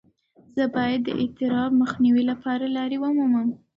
زه باید د اضطراب مخنیوي لپاره لارې ومومم.